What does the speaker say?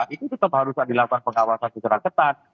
itu tetap harus dilakukan pengawasan secara ketat